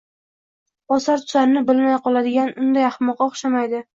– Bosar-tusarini bilmay qoladigan unday ahmoqqa o‘xshamaydi.